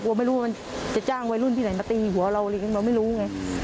กลัวไม่รู้ว่ามันจะจ้างวัยรุ่นที่ไหนมาตีหัวเราหรือยังเราไม่รู้ไง